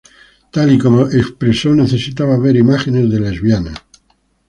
Tal y como expresó: ""necesitaba ver imágenes de lesbianas"".